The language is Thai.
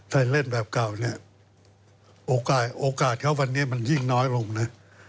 ถ้าเล่นแบบเก่าเนี่ยโอกาสเขาวันนี้มันยิ่งน้อยลงนะ